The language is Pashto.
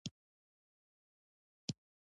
د سرک د طبقاتو ډیزاین په اساسي ډول شوی دی